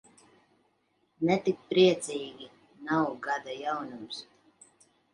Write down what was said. Ne tik priecīgi, nav gada jaunums.